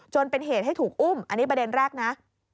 เป็นเหตุให้ถูกอุ้มอันนี้ประเด็นแรกนะ